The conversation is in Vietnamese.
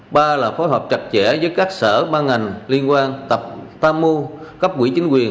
ba là phối hợp chặt chẽ với các sở ban ngành liên quan tập tham mưu cấp quỹ chính quyền